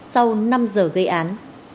sau năm giờ gây án